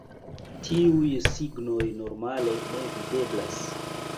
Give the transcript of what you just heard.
Tiuj signoj normale ne videblas.